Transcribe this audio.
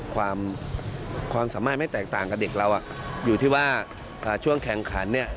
ความสามารถไม่แตกต่างกับเด็กเราอยู่ที่ว่าช่วงแข่งขันเนี่ย